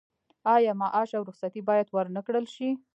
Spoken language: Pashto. آیا معاش او رخصتي باید ورنکړل شي؟